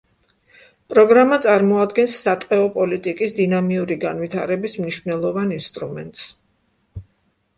პროგრამა წარმოადგენს სატყეო პოლიტიკის დინამიური განვითარების მნიშვნელოვან ინსტრუმენტს.